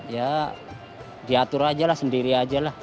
ya diatur aja lah sendiri aja lah